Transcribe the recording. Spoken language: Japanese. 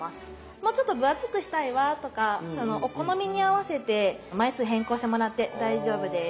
もうちょっと分厚くしたいわとかお好みに合わせて枚数変更してもらって大丈夫です。